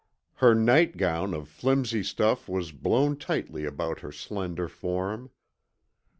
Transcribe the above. Her nightgown of flimsy stuff was blown tightly about her slender form.